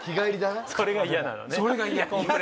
それが嫌なのね。